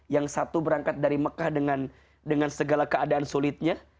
yang satu berangkat dari mekah dengan segala keadaan sulitnya